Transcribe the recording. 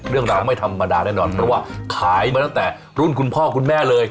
เรื่องราวไม่ธรรมดาแน่นอนเพราะว่าขายมาตั้งแต่รุ่นคุณพ่อคุณแม่เลย